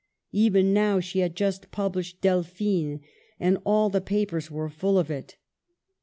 Even now she had just published Delphine^ and all the papers were full of it.